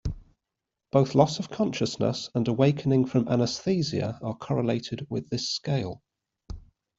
Both loss of consciousness and awakening from anesthesia are correlated with this scale.